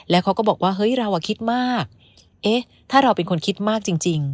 แล้วเขาก็บอกว่าเฮ้ยเราอ่ะคิดมากเอ๊ะถ้าเราเป็นคนคิดมากจริง